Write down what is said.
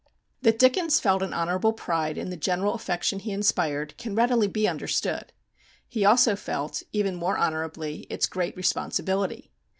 That Dickens felt an honourable pride in the general affection he inspired, can readily be understood. He also felt, even more honourably, its great responsibility.